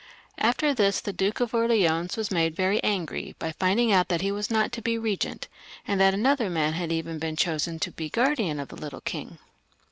After this the Duke of Orleans was made very angry by finding out that he was not to be regent, and that another man had even been chosen to be guardian of the little king.